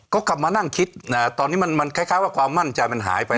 ก็กลับมานั่งคิดตอนนี้มันคล้ายว่าความมั่นใจมันหายไป